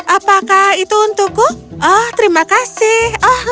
apakah itu untukku oh terima kasih